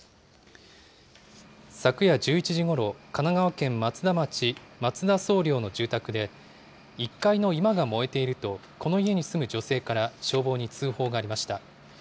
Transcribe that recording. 昨夜１１時ごろ、神奈川県松田町松田惣領の住宅で、１階の居間が燃えていると、この家に住む女性から消防に通報がありました。